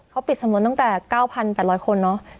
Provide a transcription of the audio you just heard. เขาปิดสำนวนตั้งแต่๙๘๐๐คนเนอะ